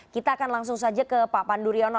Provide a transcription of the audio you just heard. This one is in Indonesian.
kita akan langsung saja ke pak pandu riono